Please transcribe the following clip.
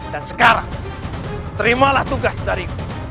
dan sekarang terimalah tugas dariku